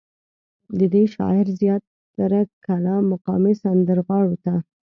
ددې شاعر زيات تره کلام مقامي سندرغاړو ته